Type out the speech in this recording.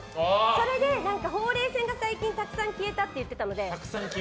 それで、ほうれい線が最近たくさん消えたって言ってたので。